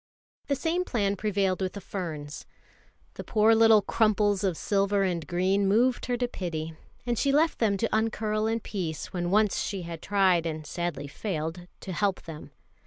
The same plan prevailed with the ferns. The poor little crumples of silver and green moved her to pity, and she left them to uncurl in peace when once she had tried and sadly failed to help them.